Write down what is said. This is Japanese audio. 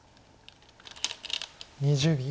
２０秒。